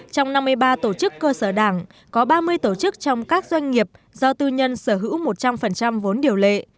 trong năm mươi ba tổ chức cơ sở đảng có ba mươi tổ chức trong các doanh nghiệp do tư nhân sở hữu một trăm linh vốn điều lệ